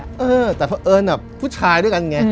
เออแต่เผอิญภูชายด้วยกันไง